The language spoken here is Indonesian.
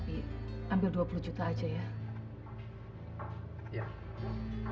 karena selalu aku berharap